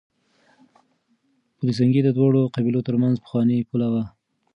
پل سنګي د دواړو قبيلو ترمنځ پخوانۍ پوله وه.